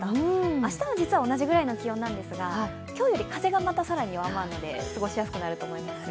明日は実は同じような気温なんですが、風が更に弱まるので過ごしやすくなると思いますよ。